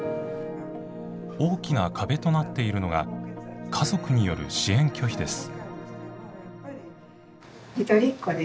大きな壁となっているのが家族による支援拒否です。